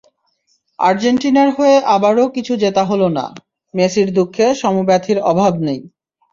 আর্জেন্টিনার হয়ে আবারও কিছু জেতা হলো না, মেসির দুঃখে সমব্যথীর অভাব নেই।